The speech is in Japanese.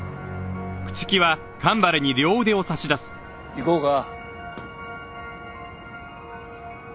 行こうか。